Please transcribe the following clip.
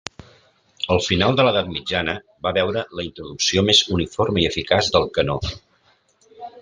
El final de l'edat mitjana va veure la introducció més uniforme i eficaç del canó.